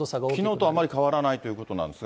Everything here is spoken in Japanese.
きのうとあまり変わらないということなんですが。